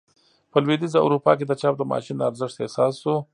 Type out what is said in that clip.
په لوېدیځه اروپا کې د چاپ د ماشین ارزښت احساس شو.